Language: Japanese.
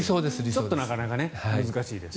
ちょっとなかなか難しいですが。